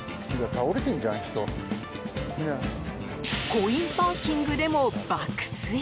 コインパーキングでも爆睡。